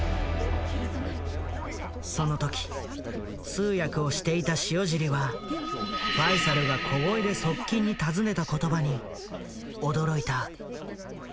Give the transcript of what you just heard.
その時通訳をしていた塩尻はファイサルが小声で側近に尋ねた言葉に驚いた。